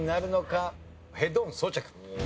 ヘッドホン装着。